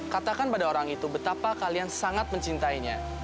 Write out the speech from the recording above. katakan pada orang itu betapa kalian sangat mencintainya